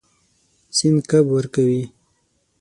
سیند کب ورکوي.